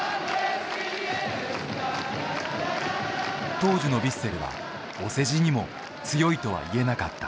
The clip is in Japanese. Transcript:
当時のヴィッセルはお世辞にも強いとは言えなかった。